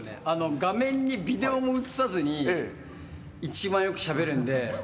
画面にビデオも映さずに、一番よくしゃべるんで。